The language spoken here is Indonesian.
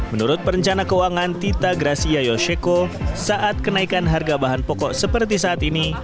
menurut perencana keuangan tita gracia yoseko saat kenaikan harga bahan pokok seperti saat ini